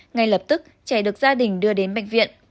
ngay lập tức trẻ được gia đình đưa đến bệnh viện